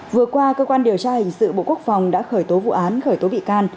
vừa qua cơ quan điều tra hình sự bộ quốc phòng đã khởi tố vụ án khởi tố bị can